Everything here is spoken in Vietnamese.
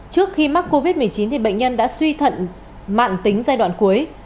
trước khi mắc covid một mươi chín bệnh nhân đã suy thận mạng tính giai đoạn cuối